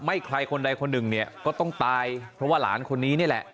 ใครคนใดคนหนึ่งเนี่ยก็ต้องตายเพราะว่าหลานคนนี้นี่แหละ